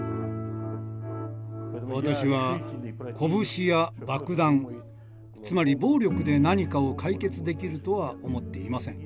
私は拳や爆弾つまり暴力で何かを解決できるとは思っていません。